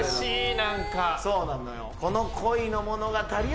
そうなのよ。